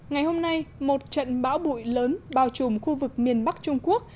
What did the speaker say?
ngày hôm nay một trận bão bụi lớn bao trùm khu vực miền bắc trung quốc